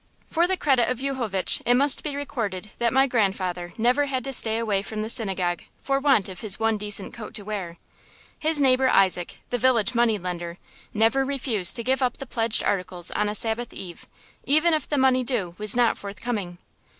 For the credit of Yuchovitch it must be recorded that my grandfather never had to stay away from the synagogue for want of his one decent coat to wear. His neighbor Isaac, the village money lender, never refused to give up the pledged articles on a Sabbath eve, even if the money due was not forthcoming.